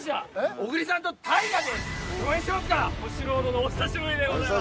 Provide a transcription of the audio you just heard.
小四郎殿お久しぶりでございます！